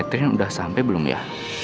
catherine udah sampai belum ya